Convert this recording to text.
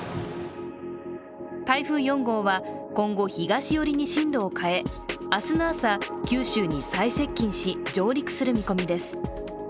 台風４号は今後東寄りに進路を変え、明日の朝、九州に最接近し上陸する見込みです。